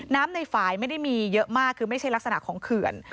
ในฝ่ายไม่ได้มีเยอะมากคือไม่ใช่ลักษณะของเขื่อน